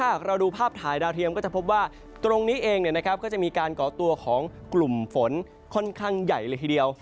ถ้าหากเราดูภาพถ่ายดาวเทียมก็จะพบว่าตรงนี้เองก็จะมีการก่อตัวของกลุ่มฝนค่อนข้างใหญ่เลยทีเดียว